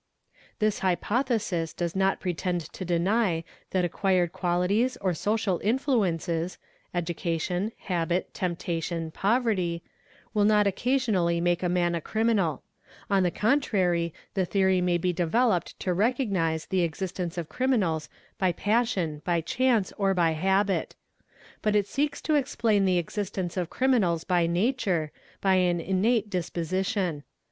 This hypothesis does not pretend to deny that acquired qualities or social influences (education, habit, temptation, _" will not occasionally make a man a criminal; on the contrary, _ the theory may be developed to recognise the existence of criminals by passion, by chance, or by habit; but it seeks to explain the existence of woe timinals by nature, by an innate disposition.